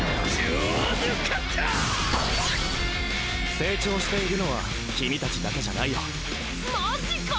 成長しているのは君たちだけじゃないよマジか？